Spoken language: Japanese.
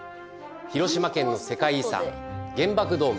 広島県の世界遺産原爆ドーム